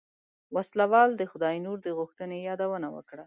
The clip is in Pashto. وسله وال د خداينور د غوښتنې يادونه وکړه.